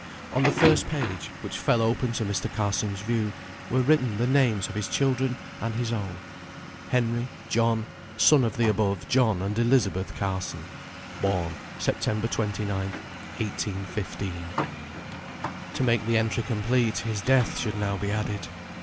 On the first page (which fell open to Mr. Carson's view) were written the names of his children, and his own. "Henry John, son of the above John and Elizabeth Carson. Born, Sept. 29th, 1815." To make the entry complete, his death should now be added.